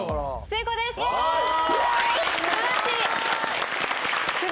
成功です。